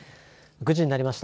９時になりました。